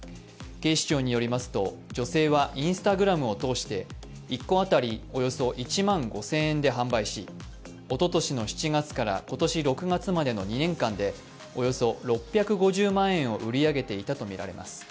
警視庁によりますと女性はＩｎｓｔａｇｒａｍを通して１個当たりおよそ１万５０００円で販売し、おととしの７月から今年６月までの２年間でおよそ６５０万円を売り上げていたとみられます。